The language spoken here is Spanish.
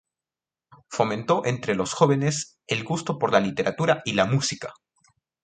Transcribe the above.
Fomentó entre los jóvenes el gusto por la literatura y la música.